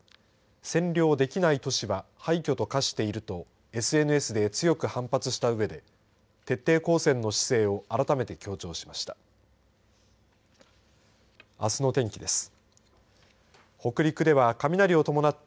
占領できない都市は廃墟と化しているとＳＮＳで強く反発したうえで徹底抗戦の姿勢を改めて強調しました。